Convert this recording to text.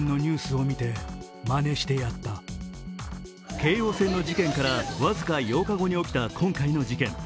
京王線の事件から僅か８日後に起きた今回の事件。